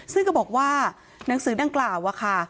ซึ่งก็บอกว่าหนังสือดังกล่าวอะค่ะ